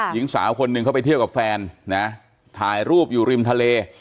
หญิงสาวคนหนึ่งเขาไปเที่ยวกับแฟนนะถ่ายรูปอยู่ริมทะเล